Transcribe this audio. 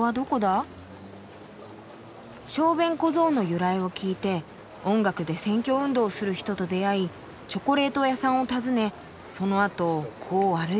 小便小僧の由来を聞いて音楽で選挙運動する人と出会いチョコレート屋さんを訪ねそのあとこう歩いてきて今はここ。